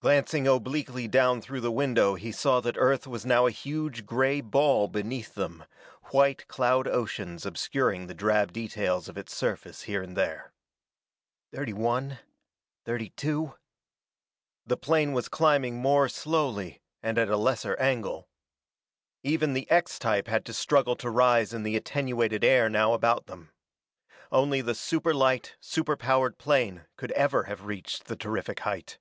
Glancing obliquely down through the window he saw that Earth was now a huge gray ball beneath them, white cloud oceans obscuring the drab details of its surface here and there. " 31 32 " The plane was climbing more slowly, and at a lesser angle. Even the X type had to struggle to rise in the attenuated air now about them. Only the super light, super powered plane could ever have reached the terrific height.